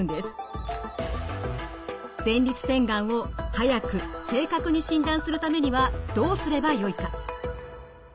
前立腺がんを早く正確に診断するためにはどうすればよいか。